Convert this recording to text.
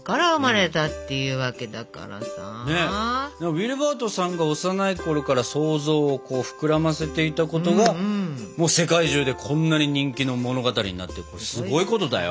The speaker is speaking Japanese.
ウィルバートさんが幼いころから想像を膨らませていたことが世界中でこんなに人気の物語になってすごいことだよ。